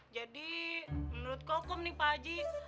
jadi menurut kokom nih pak haji